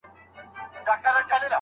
آیا معروف د کفایت پرته بل څه کېدلای سي؟